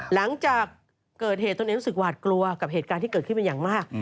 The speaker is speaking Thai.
หลังจากเกิดเหตุตนเองรู้สึกหวาดกลัวกับเหตุการณ์ที่เกิดขึ้นเป็นอย่างมาก